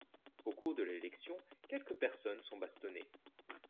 Au cours de l'élection, quelques personnes sont bastonnées.